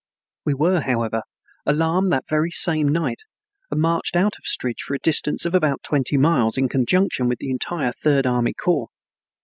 We were, however, alarmed that very same night and marched out of Strij for a distance of about twenty miles, in conjunction with the entire Third Army Corps.